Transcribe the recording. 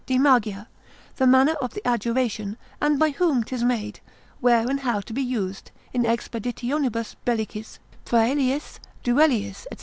de Magia, the manner of the adjuration, and by whom 'tis made, where and how to be used in expeditionibus bellicis, praeliis, duellis, &c.